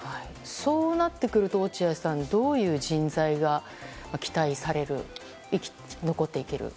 そうなってくると落合さん、どういう人材が期待される、残っていける？